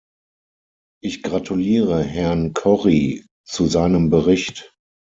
Ich gratuliere Herrn Corrie zu seinem Bericht.